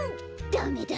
ダメだ！